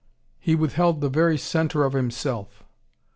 He withheld the very centre of himself.